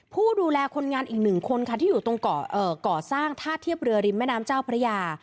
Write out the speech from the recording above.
ผู้ดูแลคนงานอีกหนึ่งคนค่ะที่อยู่ตรงก่อสร้างท่าเทียบเรือริมแม่น้ำเจ้าพระยา